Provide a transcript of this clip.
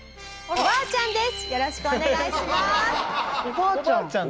「おばあちゃんです」。